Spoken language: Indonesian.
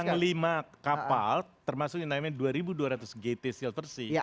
yang lima kapal termasuk yang namanya dua dua ratus gt silversi